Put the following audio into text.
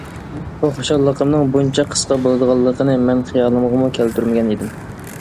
بۇ خۇشاللىقىمنىڭ بۇنچە قىسقا بولىدىغانلىقىنى مەن خىيالىمغىمۇ كەلتۈرمىگەن ئىدىم.